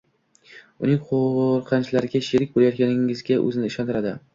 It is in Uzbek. uning qo‘rqinchlariga sherik bo‘layotganligingizga o‘zini ishontiradi.